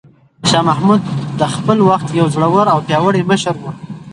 شاه محمود د خپل وخت یو زړور او پیاوړی مشر و.